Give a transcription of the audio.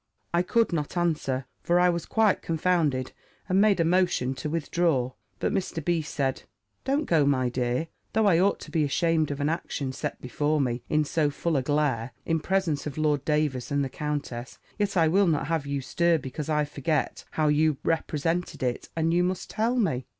I could not answer; for I was quite confounded; and made a motion to withdraw: but Mr. B. said, "Don't go, my dear: though I ought to be ashamed of an action set before me in so full a glare, in presence of Lord Davers and the countess; yet I will not have you stir because I forget how you represented it, and you must tell me."